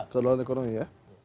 kedaulatan ekonomi ya